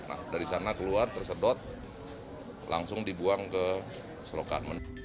nah dari sana keluar tersedot langsung dibuang ke selokan